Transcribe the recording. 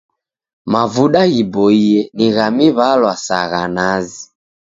Mavuda ghiboie ni gha miw'alwa sa gha nazi.